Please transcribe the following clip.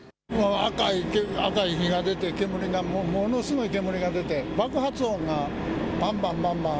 赤い火が出て、煙が、ものすごい煙が出て爆発音がばんばんばんばん。